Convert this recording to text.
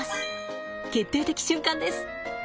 決定的瞬間です。